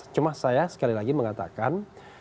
cuma saya sekali lagi mengatakan